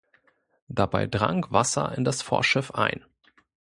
Dabei drang Wasser in das Vorschiff ein.